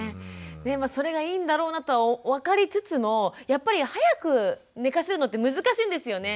それがいいんだろうなと分かりつつもやっぱり早く寝かせるのって難しいんですよね。